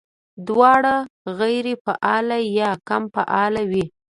دواړه غېر فعاله يا کم فعاله وي